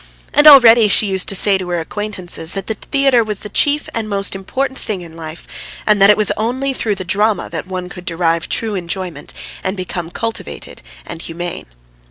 And already she used to say to her acquaintances that the theatre was the chief and most important thing in life and that it was only through the drama that one could derive true enjoyment and become cultivated and humane.